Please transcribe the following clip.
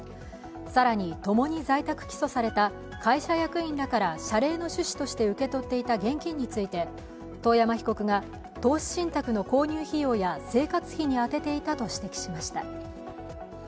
更に、共に在宅起訴された会社役員らから謝礼の趣旨として受け取っていた現金について遠山被告が投資信託の購入費用や生活費に充てていたと指摘しました。